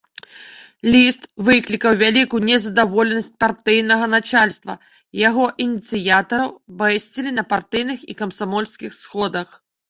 Ліст выклікаў вялікую незадаволенасць партыйнага начальства, яго ініцыятараў бэсцілі на партыйных і камсамольскіх сходах.